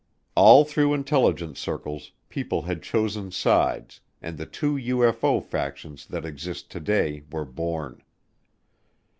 All through intelligence circles people had chosen sides and the two UFO factions that exist today were born.